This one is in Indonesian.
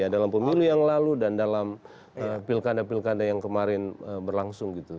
dalam pemilu yang lalu dan dalam pilkada pilkada yang kemarin berlangsung gitu